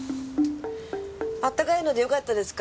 あったかいのでよかったですか？